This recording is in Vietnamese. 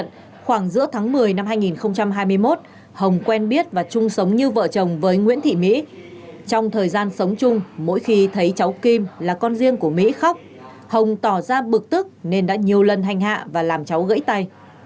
trong thời gian sống chung mỗi khi thấy cháu kim là con riêng của mỹ khóc hồng tỏ ra bực tức nên đã nhiều lần hành hạ và làm cháu gãy tay